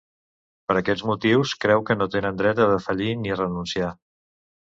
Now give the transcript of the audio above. Per aquests motius, creu que no tenen dret a defallir ni a renunciar.